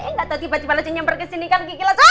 eh nggak tau tiba tiba aja nyemper kesini kan gigi lasak